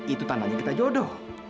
itu tandanya kita jodoh